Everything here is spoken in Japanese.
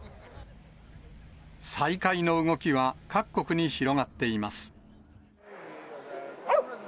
再開の動きは各国に広がっています。